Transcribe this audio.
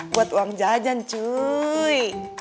buat uang jajan cuy